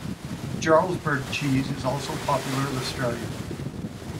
Jarlsberg cheese is also popular in Australia.